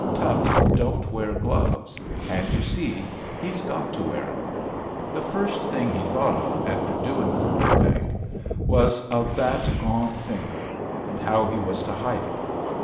Toughs don't wear gloves, and you see he's got to wear 'em. The first thing he thought of after doing for Burrbank was of that gone finger, and how he was to hide it.